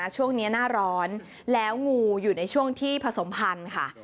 ช่วงนี้หน้าร้อนแล้วงูอยู่ในช่วงที่ผสมพันธุ์ค่ะ